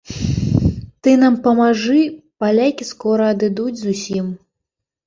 Ты нам памажы, палякі скора адыдуць зусім.